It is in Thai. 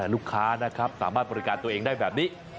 ลูกค้านะครับสามารถบริการตัวเองได้แบบนี้